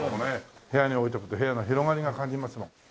部屋に置いておくと部屋の広がりを感じますもん。